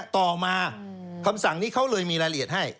ต่อมาคำสั่งนี้เขาเลยมีรายละเอียดให้